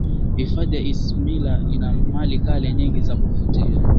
hifadhi ya isimila ina mali kale nyingi za kuvutia